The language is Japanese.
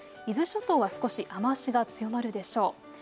伊豆諸島は少し雨足が強まるでしょう。